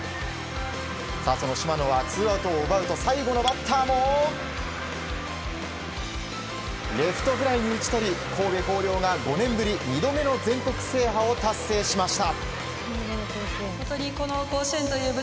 その島野はツーアウトを奪うと最後のバッターもレフトフライに打ち取り神戸弘陵が５年ぶり、２度目の全国制覇を達成しました。